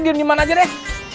kita di dimana aja deh